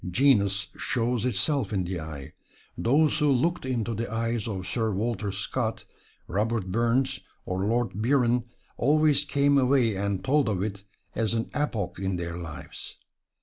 Genius shows itself in the eye. Those who looked into the eyes of Sir Walter Scott, Robert Burns or Lord Byron, always came away and told of it as an epoch in their lives.